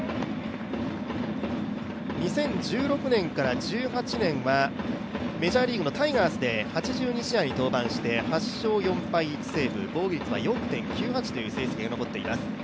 ２０１６年から２０１８年はメジャーリーグのタイガースで８２試合に登板して８勝４敗１セーブ、防御率は４．９８という成績が残っています。